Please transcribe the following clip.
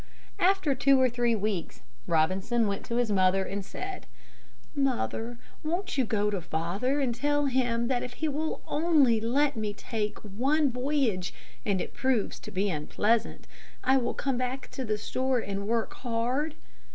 After two or three weeks, Robinson went to his mother and said, "Mother, won't you go to father and tell him that if he will only let me take one voyage and it proves to be unpleasant, I will come back to the store and work hard?"